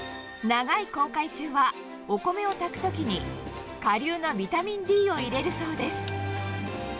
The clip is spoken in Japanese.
長い航海中は、お米を炊くときに、顆粒のビタミンＤを入れるそうです。